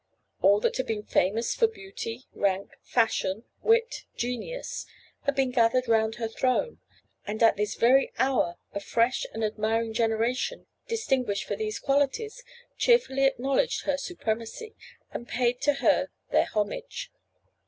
All that had been famous for beauty, rank, fashion, wit, genius, had been gathered round her throne; and at this very hour a fresh and admiring generation, distinguished for these qualities, cheerfully acknowledged her supremacy, and paid to her their homage.